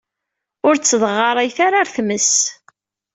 Ur ttedɣaṛayet ara ar tmes.